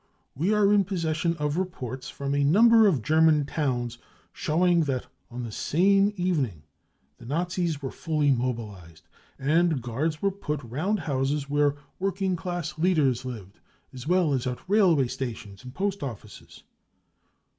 We are in possession of reports from a number of Ger man towns showing that on that same evening the Nazis were fully mobilised, and guards were put round houses where working class leaders lived, as well as at railway stations and post offices.